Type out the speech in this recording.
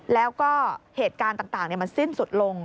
แล้วก็เหตุการณ์ต่างมันสิ้นสุดลง